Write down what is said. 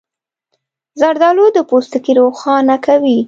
زردالو د پوستکي روښانه کوي.